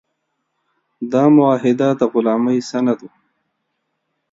دا معاهده د غلامۍ سند و.